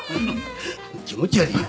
気持ち悪いよ。